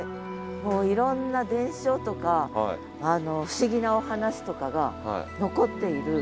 もういろんな伝承とか不思議なお話とかが残っている里なんです。